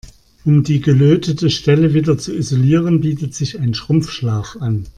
Um die gelötete Stelle wieder zu isolieren, bietet sich ein Schrumpfschlauch an.